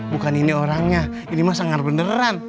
bukan ini orangnya ini mas angar beneran